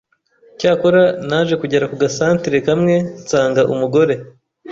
cyakora naje kugera ku ga centre kamwe nsanga umugore